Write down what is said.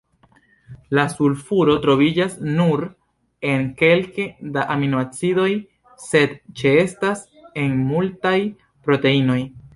La sulfuro troviĝas nur en kelke da aminoacidoj, sed ĉeestas en multaj proteinoj.